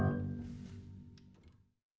สวัสดีครับทุกคน